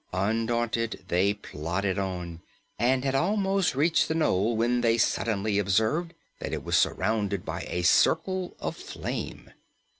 Undaunted, they plodded on and had almost reached the knoll when they suddenly observed that it was surrounded by a circle of flame.